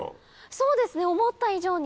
そうですね思った以上に。